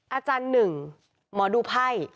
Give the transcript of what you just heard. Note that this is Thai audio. อาจารย์๑หมอดูไพ่